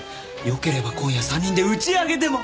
よければ今夜３人で打ち上げでも。